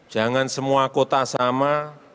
jangan semua kota sama